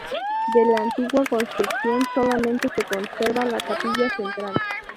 De la antigua construcción solamente se conserva la capilla central.